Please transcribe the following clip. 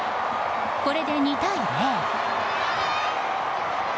これで２対０。